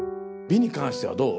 美に関してはどう？